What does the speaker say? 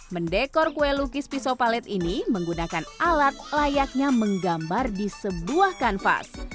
mendekor kue lukis pisau palet ini menggunakan alat layaknya menggambar di sebuah kanvas